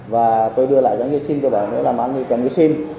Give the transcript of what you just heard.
và tôi đưa lại cái kim tôi bảo là mà anh ấy cần cái kim